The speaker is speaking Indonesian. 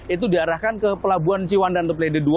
itu diarahkan ke pelabuhan ciwandan atau pelindo dua